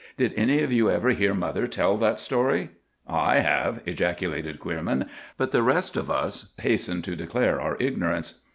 Did any of you ever hear mother tell that story?" "I have!" ejaculated Queerman; but the rest of us hastened to declare our ignorance.